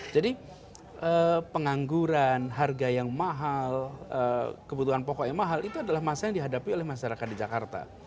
jadi pengangguran harga yang mahal kebutuhan pokok yang mahal itu adalah masalah yang dihadapi oleh masyarakat di jakarta